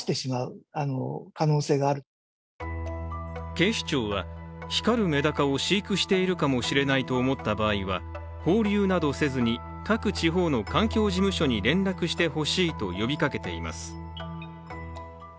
警視庁は光るめだかを飼育しているかもしれないと思った場合は放流などせずに各地方の環境事務所に連絡してほしいと呼びかけています。